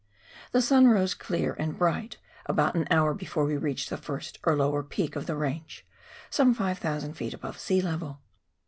The sun rose clear and bright about an hour before we reached the first or lower peak of the range, some 5,000 ft. above sea level.